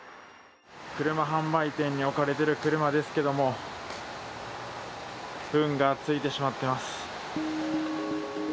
車販売店に置かれている車ですけれどもフンがついてしまっています。